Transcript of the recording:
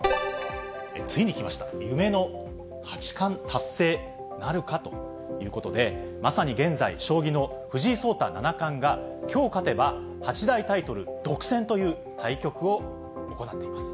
ついにきました、夢の八冠達成なるか？ということで、まさに現在、将棋の藤井聡太七冠が、きょう勝てば八大タイトル独占という対局を行っています。